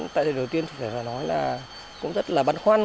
tại thời đầu tiên phải nói là cũng rất là băn khoăn